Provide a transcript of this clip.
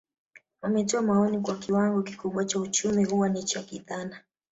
Wametoa maoni kuwa kiwango kikubwa cha uchumi huwa ni cha kidhana